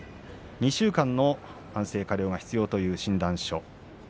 ２週間の安静・加療が必要という診断書。